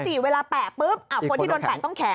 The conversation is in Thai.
สัปดาห์๔เวลาแปะปุ๊บคนที่โดนแปะต้องแข็ง